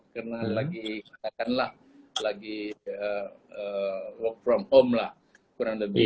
karena lagi katakanlah lagi work from home lah kurang lebih